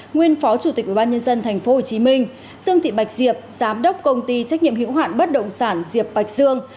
nguyên phó chủ tịch ubnd tp hcm sương thị bạch diệp giám đốc công ty trách nhiệm hiệu hoạn bất động sản diệp bạch dương